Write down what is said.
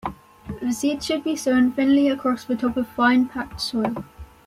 The seeds should be sown thinly across the top of fine, packed soil.